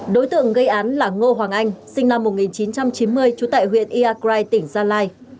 đối tượng gây án là ngô hoàng anh sinh năm một nghìn chín trăm chín mươi trú tại huyện iagrai tỉnh gia lai